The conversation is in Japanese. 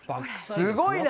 すごいな！